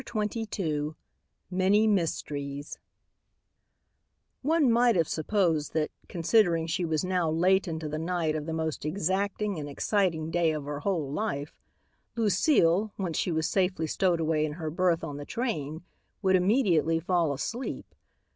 CHAPTER XXII MANY MYSTERIES One might have supposed that, considering she was now late into the night of the most exacting and exciting day of her whole life, Lucile, once she was safely stowed away in her berth on the train, would immediately fall asleep.